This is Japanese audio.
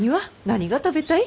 何が食べたい？